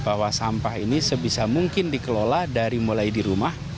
bahwa sampah ini sebisa mungkin dikelola dari mulai di rumah